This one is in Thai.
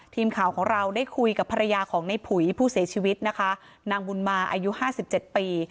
ทีมข่าวของเราได้คุยกับภรรยาของในผุยผู้เสียชีวิตนะคะนางบุญมาอายุห้าสิบเจ็ดปี